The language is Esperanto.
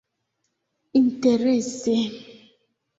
interese